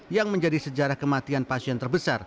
yang menjadi sejarah kematian pasien terbesar